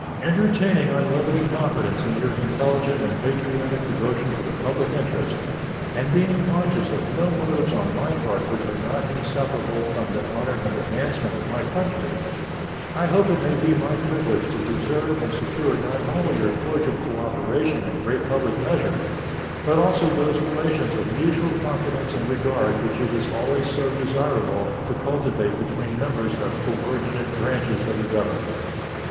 Entertaining unlimited confidence in your intelligent and patriotic devotion to the public interest, and being conscious of no motives on my part which are not inseparable from the honor and advancement of my country, I hope it may be my privilege to deserve and secure not only your cordial cooperation in great public measures, but also those relations of mutual confidence and regard which it is always so desirable to cultivate between members of coordinate branches of the Government.